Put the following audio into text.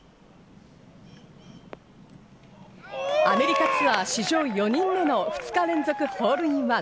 アメリカツアー史上４人目の２日連続ホールインワン。